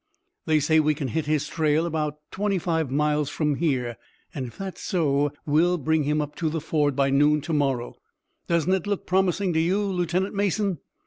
They say we can hit his trail about twenty five miles from here, and if that's so we'll bring him up to the ford by noon to morrow. Doesn't it look promising to you, Lieutenant Mason?"